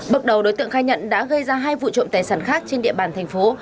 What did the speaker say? bước đầu đối tượng khai nhận đã gây ra hai vụ trộm tài sản khác trên địa bàn thành phố